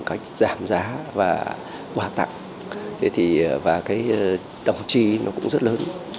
cách giảm giá và quà tặng và cái tổng chi nó cũng rất lớn